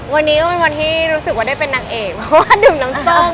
วันนี้ก็เป็นวันที่รู้สึกว่าได้เป็นนางเอกเพราะว่าดื่มน้ำส้ม